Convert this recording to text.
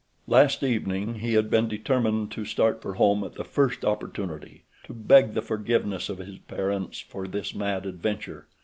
Last evening he had been determined to start for home at the first opportunity, to beg the forgiveness of his parents for this mad adventure.